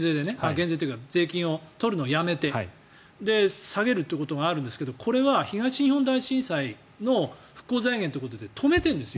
減税っていうか、税金を取るのをやめて下げるということがあるんですがこれは東日本大震災の復興財源ということで今、止めてるんです。